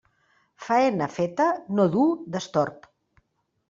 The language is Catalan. Faena feta no du destorb.